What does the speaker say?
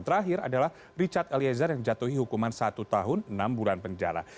terakhir adalah richard eliezer yang jatuhi hukuman satu tahun enam bulan penjara